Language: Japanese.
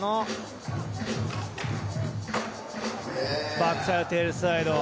バックサイドテールスライド。